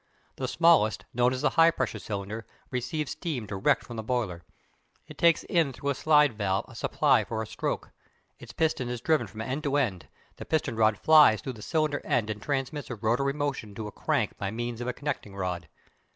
The smallest, known as the high pressure cylinder, receives steam direct from the boiler. It takes in through a slide valve a supply for a stroke; its piston is driven from end to end; the piston rod flies through the cylinder end and transmits a rotary motion to a crank by means of a connecting rod.